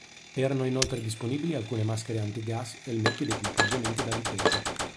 Erano inoltre disponibili alcune maschere antigas, elmetti ed equipaggiamenti da difesa.